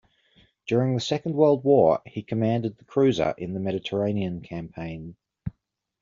During the Second World War, he commanded the cruiser in the Mediterranean campaign.